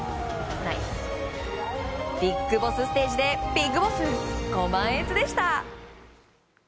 ビッグボスステージでビッグボス、ご満悦でした。